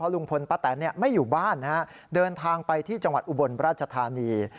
ลุงพลป้าแตนไม่อยู่บ้านเดินทางไปที่จังหวัดอุบลราชธานี